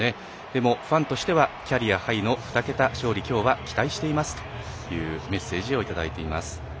でも、ファンとしてはキャリアハイの２桁勝利きょうは期待していますというメッセージをいただいています。